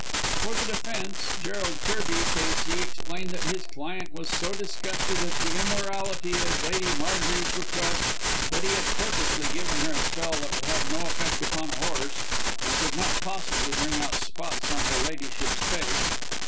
For the defence, Gerald Kirby, K.C., explained that his client was so disgusted at the immorality of Lady Marjorie's request, that he had purposely given her a spell that would have no effect upon a horse, and could not possibly bring out spots on her Ladyship's face.